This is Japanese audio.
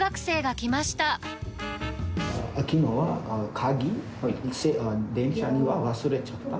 きのう、鍵、電車に忘れちゃった。